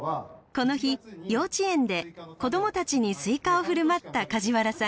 この日幼稚園で子どもたちにスイカを振る舞った梶原さん。